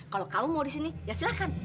kalau kamu mau di sini ya silahkan